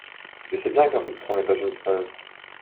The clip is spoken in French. Je sais bien qu’un soupçon n’est pas une preuve.